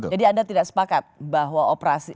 jadi anda tidak sepakat bahwa operasi